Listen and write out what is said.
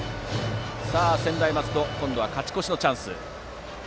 専大松戸、今度は勝ち越しのチャンス。